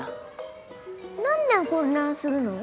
なんで混乱するの？